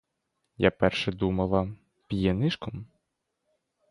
Я перше думала: п'є нишком.